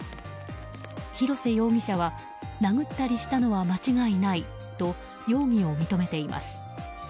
広瀬容疑者は殴ったりしたのは間違いないと容疑を認めています。